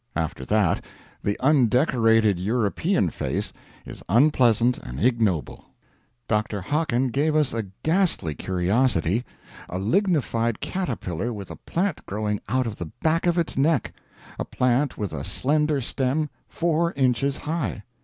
After that, the undecorated European face is unpleasant and ignoble. Dr. Hockin gave us a ghastly curiosity a lignified caterpillar with a plant growing out of the back of its neck a plant with a slender stem 4 inches high.